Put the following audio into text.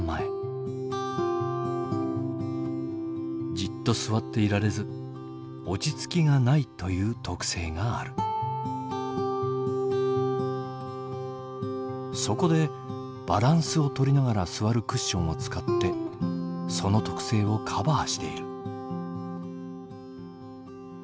じっと座っていられず落ち着きがないという特性があるそこでバランスをとりながら座るクッションを使ってその特性をカバーしている。